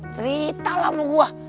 cerita lah mu gue